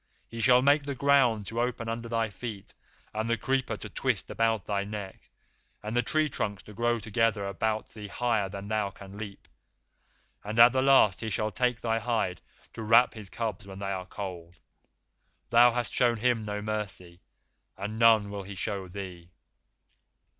He shall make the ground to open under thy feet, and the creeper to twist about thy neck, and the tree trunks to grow together about thee higher than thou canst leap, and at the last he shall take thy hide to wrap his cubs when they are cold. Thou hast shown him no mercy, and none will he show thee.